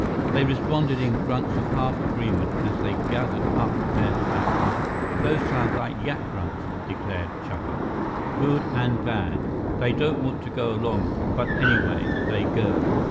They responded in grunts of half agreement as they gathered up their packs. "Those sound like yak grunts," declared Chuba. "Good and bad. They don't want to go along, but anyway, they go."